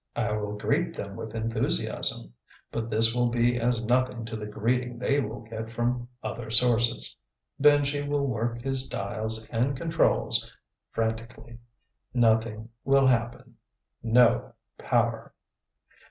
I will greet them with enthusiasm but this will be as nothing to the greeting they will get from other sources. Benji will work his dials and controls, frantically. Nothing will happen. No power.